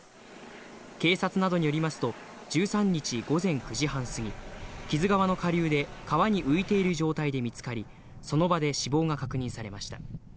警察などによりますと１３日午前９時半すぎ、木津川の下流で川に浮いている状態で見つかり、その場で死亡が確認されました。